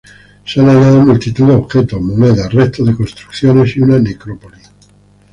Se han hallado multitud de objetos, monedas, restos de construcciones y una necrópolis.